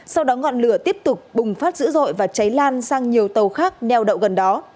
sau đó ngọn lửa tiếp tục bùng phát dữ dội và cháy lan sang nhiều tàu khác neo đậu gần đó